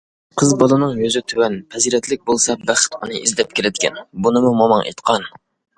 قىز بالىنىڭ يۈزى تۆۋەن، پەزىلەتلىك بولسا بەخت ئۇنى ئىزدەپ كېلىدىكەن، بۇنىمۇ موماڭ ئېيتقان.